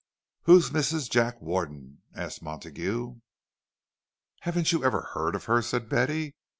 "Who's Mrs. Jack Warden?" asked Montague. "Haven't you ever heard of her?" said Betty.